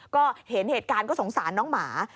ก็เห็นเหตุการณ์ก็สงสารน้องหมา